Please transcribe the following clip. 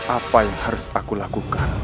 apa yang harus aku lakukan